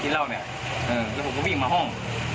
แล้วผมก็วิ่งมาห้อง